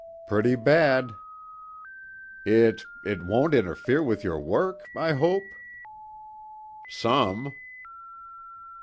"Pretty bad." "It it won't interfere with your work I hope?" "Some."